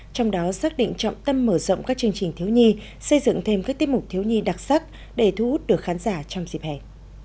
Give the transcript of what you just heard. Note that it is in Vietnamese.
trong đó xác định trọng tâm mở rộng các chương trình thiếu nhi xây dựng thêm các tiết mục thiếu nhi đặc sắc để thu hút được khán giả trong dịp hè